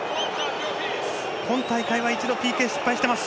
今大会は一度ＰＫ失敗しています。